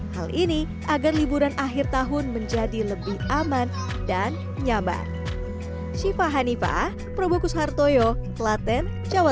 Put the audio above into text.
hal ini agar liburan akhir tahun menjadi lebih aman dan nyaman